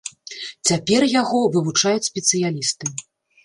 Цяпер яго вывучаюць спецыялісты.